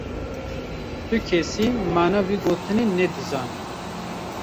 Tukesî mana vê gotine ne dizanî.